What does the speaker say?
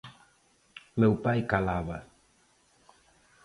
Meu pai calaba.